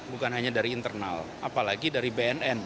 bukan hanya dari internal apalagi dari bnn